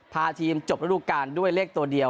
พาทีมจบระดูการด้วยเลขตัวเดียว